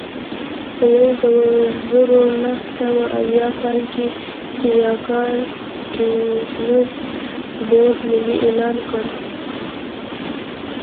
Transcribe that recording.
په یوه زرو نهه سوه اویا کال کې سیاکا سټیونز بورډ ملي اعلان کړ.